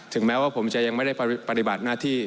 แม้ว่าผมจะยังไม่ได้ปฏิบัติหน้าที่